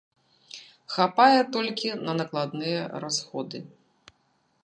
Хапае толькі на накладныя расходы.